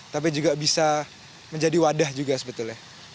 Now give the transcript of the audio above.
tapi juga bisa menjadi wadah juga sebetulnya